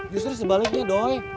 justru sebaliknya doy